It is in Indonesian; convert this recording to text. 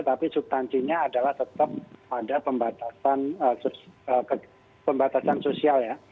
tapi substansinya adalah tetap ada pembatasan sosial